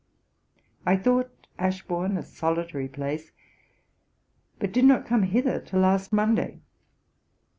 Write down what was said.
I thought Ashbourne a solitary place, but did not come hither till last Monday.